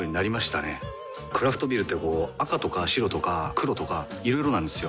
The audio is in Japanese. クラフトビールってこう赤とか白とか黒とかいろいろなんですよ。